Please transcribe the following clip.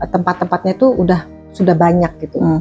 tempat tempatnya itu sudah banyak gitu